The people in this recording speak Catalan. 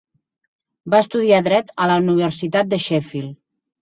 Va estudiar Dret a la Universitat de Sheffield.